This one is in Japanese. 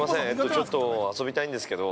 ちょっと遊びたいんですけど。